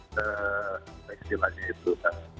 sebegini aja itu